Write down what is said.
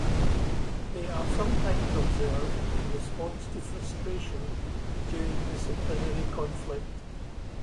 They are sometimes observed in response to frustration during disciplinary conflict.